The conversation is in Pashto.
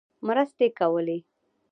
مرستې کولې.